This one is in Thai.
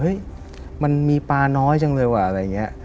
มันมีปลาน้อยจังเลยว่ะอะไรอย่างนี้